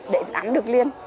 để nắng được liền